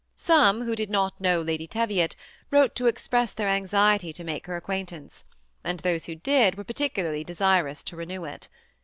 Some, who did not know Lady Teviot, wrote to express their anxiety to make her acquaint ance ; and those who did were particularly desirous to renew it.